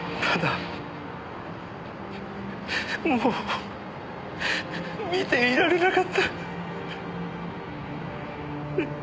ただもう見ていられなかった。